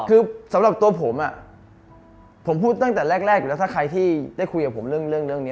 คือสำหรับตัวผมผมพูดตั้งแต่แรกอยู่แล้วถ้าใครที่ได้คุยกับผมเรื่องนี้